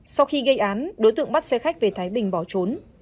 sau khi gây án đối tượng bắt xe khách về thái bình bỏ trốn